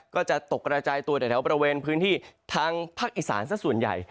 ก็จะตกกระจายตัวแถวบริเวณพื้นที่ทางภาคอีสานสักส่วนใหญ่